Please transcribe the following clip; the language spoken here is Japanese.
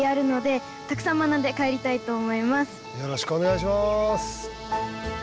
よろしくお願いします。